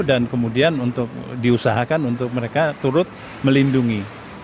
dan kemudian untuk diusahakan untuk mereka turut melindungi